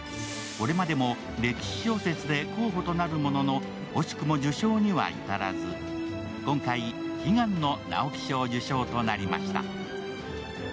これまでも歴史小説で候補となるものの、惜しくも受賞には至らず今回、悲願の直木賞受賞となりました。